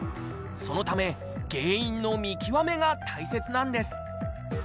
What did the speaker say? そのため原因の見極めが大切なんです